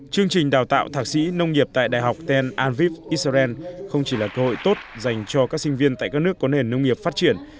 chương trình đào tạo thạc sĩ nông nghiệp tại đại học ten anviv israel không chỉ là cơ hội tốt dành cho các sinh viên tại các nước có nền nông nghiệp phát triển